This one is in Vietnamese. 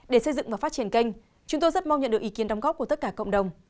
để xây dựng và phát triển kênh chúng tôi rất mong nhận được ý kiến đóng góp của tất cả cộng đồng